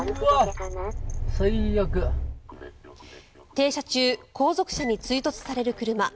停車中後続車に追突される車。